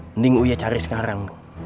sebaiknya saya cari sekarang